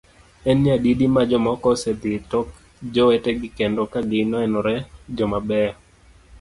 En nyadidi ma jomoko osedhi tok jowetegi kendo kagi nenore joma beyo?